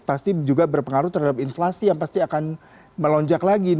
pasti juga berpengaruh terhadap inflasi yang pasti akan melonjak lagi